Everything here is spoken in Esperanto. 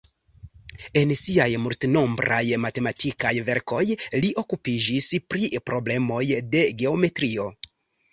En siaj multnombraj matematikaj verkoj li okupiĝis pri problemoj de geometrio.